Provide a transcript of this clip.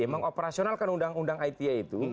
memang operasionalkan undang undang ita itu